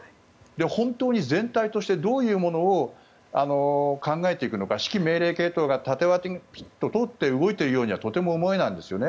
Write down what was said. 本当に全体としてどういうものを考えていくのか指揮命令系統が縦割りに動いているようには見えないんですね。